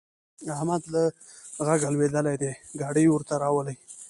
احمد له غږه لوېدلی دی؛ ګاډی ورته راولي.